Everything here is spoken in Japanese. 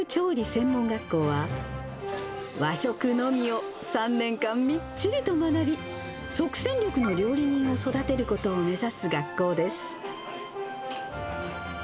専門学校は和食のみを３年間、みっちりと学び、即戦力の料理人を育てることを目指す学校です。